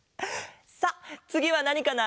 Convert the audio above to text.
さあつぎはなにかな？